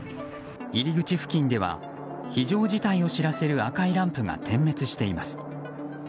入り口付近では非常事態を知らせる赤いランプが点滅しています。